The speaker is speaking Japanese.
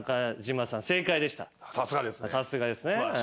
さすがですね。